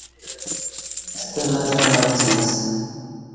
ستہ لستہ منچی اسہ۔